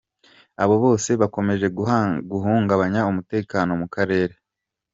Abo bose bakomeje guhungabanya umutekano mu karere.